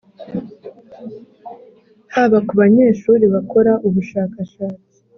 haba ku banyeshuri bakora ubushakashatsi